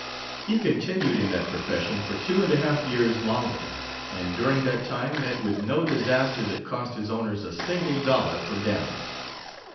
He continued in that profession for two and a half years longer, and during that time met with no disaster that cost his owners a single dollar for damage.